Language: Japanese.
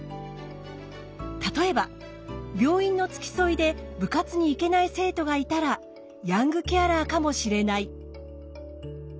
例えば病院の付き添いで部活に行けない生徒がいたらヤングケアラーかもしれない。